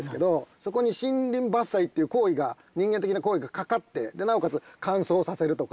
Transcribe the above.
そこに森林伐採っていう行為が人間的な行為がかかってなおかつ乾燥させるとか。